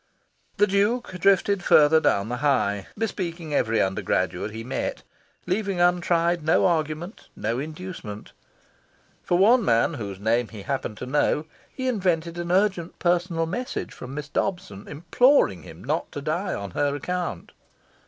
The Duke drifted further down the High, bespeaking every undergraduate he met, leaving untried no argument, no inducement. For one man, whose name he happened to know, he invented an urgent personal message from Miss Dobson imploring him not to die on her account.